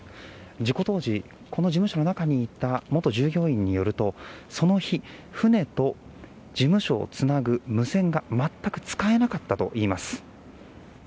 事故当時、この事務所の中にいた元従業員によるとその日、船と事務所をつなぐ無線が全く使えなかったといいます。